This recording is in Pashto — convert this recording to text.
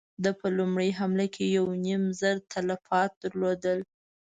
ده په لومړۍ حمله کې يو نيم زر تلفات درلودل.